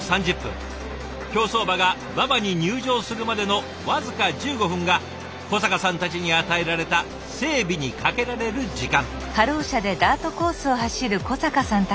競走馬が馬場に入場するまでの僅か１５分が小坂さんたちに与えられた整備にかけられる時間。